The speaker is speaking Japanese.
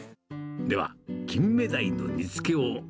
では、キンメダイの煮つけを。